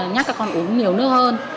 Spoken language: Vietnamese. nhắc các con uống nhiều nước hơn